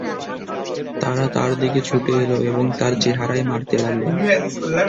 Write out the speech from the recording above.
তারা তার দিকে ছুটে এল এবং তার চেহারায় মারতে লাগল।